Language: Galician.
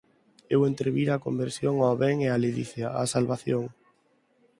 Eu entrevira a conversión ó ben e á ledicia, a salvación.